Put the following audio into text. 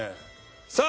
さあ